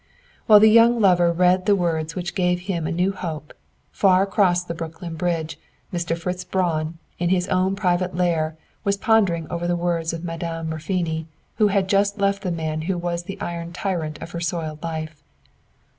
While the young lover read the words which gave him a new hope, far across the Brooklyn Bridge, Mr. Fritz Braun, in his own private lair, was pondering over the words of Madame Raffoni, who had just left the man who was the iron tyrant of her soiled life.